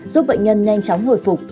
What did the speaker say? giúp bệnh nhân nhanh chóng hồi phục